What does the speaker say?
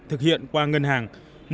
thực hiện qua ngân hàng